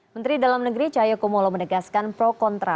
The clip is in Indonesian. menteri dalam negeri cahaya kumolo menegaskan pro kontra